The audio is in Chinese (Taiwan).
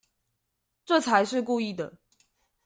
這才是故意的